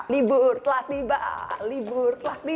libur telah tiba libur telah tiba